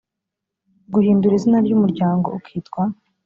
guhindura izina ry umuryango ukitwa